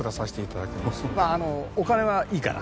まあお金はいいから。